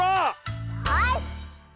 よし！